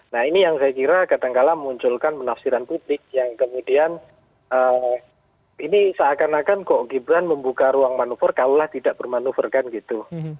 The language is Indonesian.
nah ini yang saya kira kadangkala munculkan menafsiran publik yang kemudian ini seakan akan kok gibran membuka ruang manuver kalaulah tidak bermanuver kan gitu